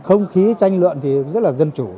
không khí tranh luận thì rất là dân chủ